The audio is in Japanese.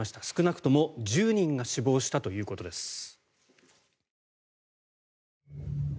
少なくとも１０人が死亡したということです。